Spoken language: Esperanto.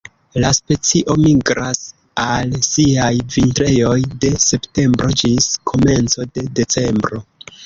La specio migras al siaj vintrejoj de septembro ĝis komenco de decembro.